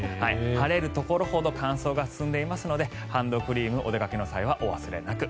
晴れるところほど乾燥が進んでいますのでハンドクリームお出かけの際はお忘れなく。